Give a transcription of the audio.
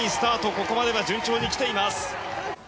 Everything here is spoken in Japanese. ここまでは順調にきています。